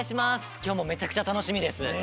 きょうもめちゃくちゃたのしみです。